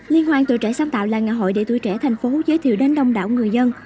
liên hoan tuổi trẻ sáng tạo là ngày hội để tuổi trẻ thành phố giới thiệu đến đông đảo người dân